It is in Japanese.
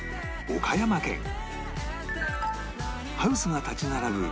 ハウスが立ち並ぶ